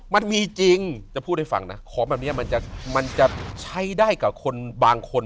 มันมีจริงจะพูดให้ฟังนะของแบบนี้มันจะใช้ได้กับคนบางคน